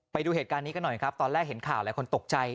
ไปดูเหตุการณ์นี้กันหน่อยครับตอนแรกเห็นข่าวหลายคนตกใจ